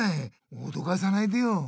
おどかさないでよ。